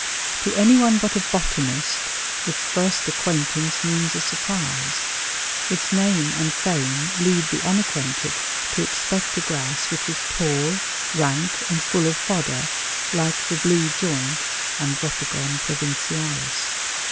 To any one but a botanist its first acquaintance means a surprise. Its name and fame lead the unacquainted to expect a grass which is tall, rank, and full of "fodder," like the "blue joint" (Andropogon provincialis).